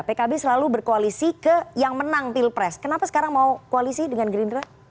pkb selalu berkoalisi ke yang menang pilpres kenapa sekarang mau koalisi dengan gerindra